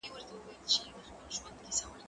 ژبه د پوهي وسیله ده.